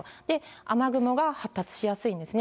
雨雲が発達しやすいんですね。